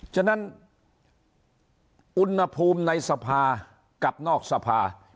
ฉะนั้นอุณหภูมิในสภากับนอกสภา